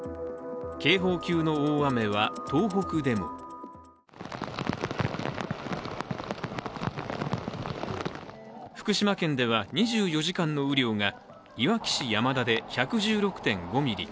警報級の大雨は東北でも福島県では、２４時間の雨量がいわき市山田で１１６．５ミリ。